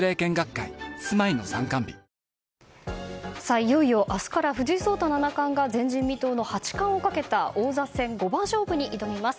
いよいよ明日から藤井聡太七冠が前人未到の八冠をかけた王座戦五番勝負に挑みます。